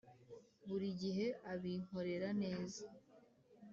buri gihe abinkorera neza.